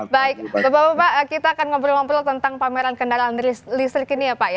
baik bapak bapak kita akan ngobrol ngobrol tentang pameran kendaraan listrik ini ya pak ya